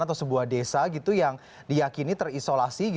atau sebuah desa yang diakini terisolasi